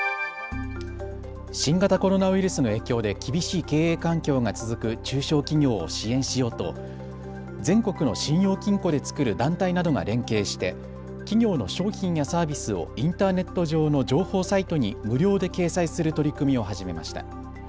新型コロナウイルスの影響で厳しい経営環境が続く中小企業を支援しようと全国の信用金庫で作る団体などが連携して企業の商品やサービスをインターネット上の情報サイトに無料で掲載する取り組みを始めました。